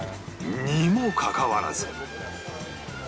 にもかかわらず